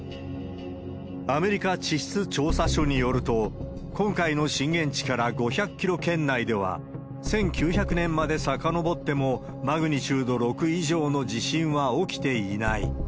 アメリカ地質調査所によると、今回の震源地から５００キロ圏内では、１９００年までさかのぼっても、マグニチュード６以上の地震は起きていない。